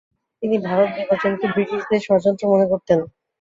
তিনি ভারত বিভাজনকে ব্রিটিশদের ষড়যন্ত্র মনে করতেন।